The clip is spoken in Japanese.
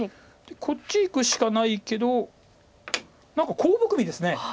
こっちいくしかないけど何かコウ含みです。